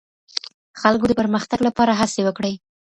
خلګو د پرمختګ لپاره هڅې وکړې.